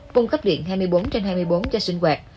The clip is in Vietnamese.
cung cấp điện hai mươi bốn trên hai mươi bốn cho sinh hoạt